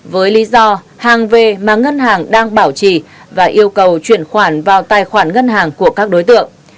với lý do hàng về mà ngân hàng đang bảo trì và yêu cầu chuyển khoản vào tài khoản ngân hàng của các đối tượng